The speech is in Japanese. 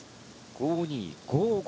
５２５５。